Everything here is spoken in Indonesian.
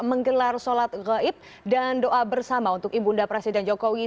menggelar sholat gaib dan doa bersama untuk ibunda presiden jokowi